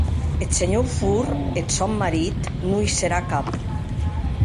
Eth senhor Ford, eth sòn marit, non i serà cap.